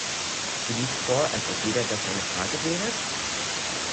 Du liest vor, als ob jeder Satz eine Frage wäre.